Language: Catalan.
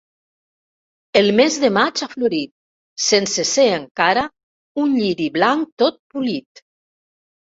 El mes de maig ha florit, sense ser encara, un lliri blanc tot polit